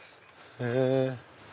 へぇ！